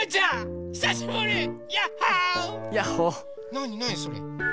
なになにそれ？